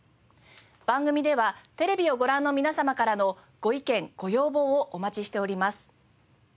番組ではテレビをご覧の皆様からのご意見ご要望をお待ちしております。